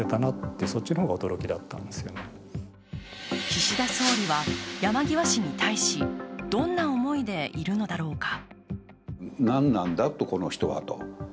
岸田総理は山際氏に対しどんな思いでいるのだろうか。